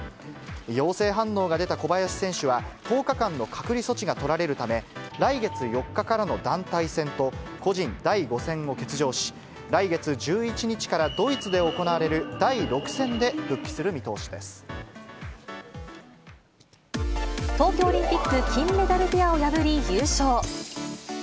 陽性反応が出た小林選手は、１０日間の隔離措置が取られるため、来月４日からの団体戦と個人第５戦を欠場し、来月１１日からドイツで行われる第６戦で復帰す東京オリンピック金メダルペアを破り優勝。